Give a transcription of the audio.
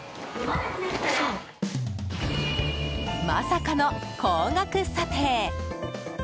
まさかの高額査定！